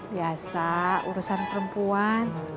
biasa urusan perempuan